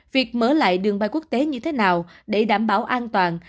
việc mở lại đường bay quốc tế như thế nào để đảm bảo an toàn